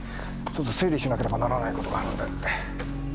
ちょっと整理しなければならない事があるんで失礼。